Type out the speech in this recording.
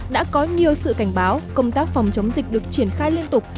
đã có nhiều sự cảnh báo công tác phòng chống dịch được triển khai liên tục